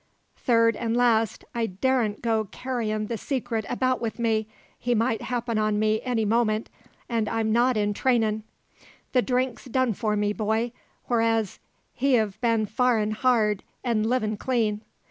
Third an' last, I daren't go carryin' the secret about with me; he might happen on me any moment, an' I'm not in trainin'. The drink's done for me, boy, whereas he've been farin' hard an' livin' clean."